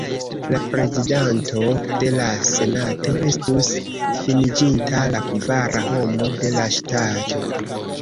La prezidanto de la senato estus fariĝinta la kvara homo de la ŝtato.